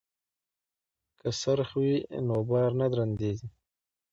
که څرخ وي نو بار نه درندیږي.